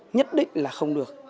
nhất định là không được